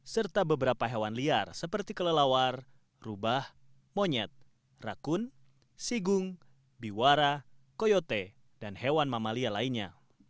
serta beberapa hewan liar seperti kelelawar rubah monyet rakun sigung biwara koyote dan hewan mamalia lainnya